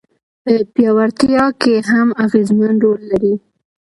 په پياوړتيا کي هم اغېزمن رول لري.